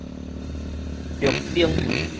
陸兵